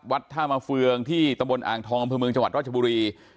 วัดท่ามาเฟืองที่ตำบลอ่างทองอำเภอเมืองจังหวัดราชบุรี